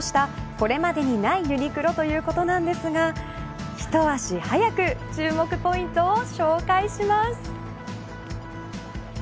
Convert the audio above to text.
これまでにないユニクロということなんですがひと足早く注目ポイントを紹介します。